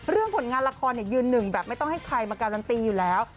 ผลงานละครยืนหนึ่งแบบไม่ต้องให้ใครมาการันตีอยู่แล้ว